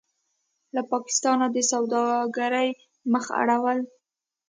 له پاکستانه د سوداګرۍ مخ اړول: